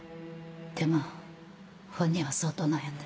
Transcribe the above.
でも本人は相当悩んで。